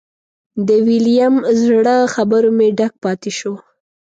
د ویلیم زړه خبرو مې ډک پاتې شو.